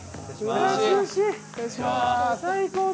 最高だ。